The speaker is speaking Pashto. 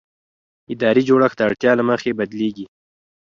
اداري جوړښت د اړتیا له مخې بدلېږي.